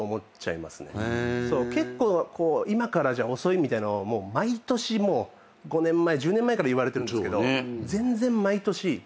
結構今からじゃ遅いみたいの毎年５年前１０年前から言われてるんですけど。